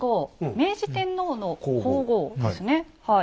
明治天皇の皇后ですねはい。